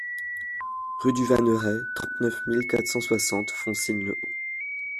Rue du Vanneret, trente-neuf mille quatre cent soixante Foncine-le-Haut